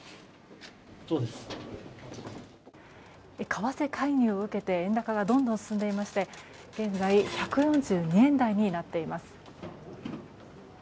為替介入を受けて円高がどんどん進んでいまして現在１４２円台になっています。